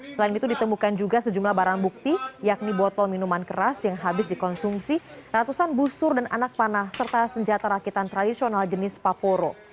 selain itu ditemukan juga sejumlah barang bukti yakni botol minuman keras yang habis dikonsumsi ratusan busur dan anak panah serta senjata rakitan tradisional jenis paporo